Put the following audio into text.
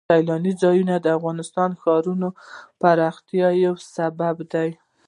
سیلاني ځایونه د افغانستان د ښاري پراختیا یو سبب دی.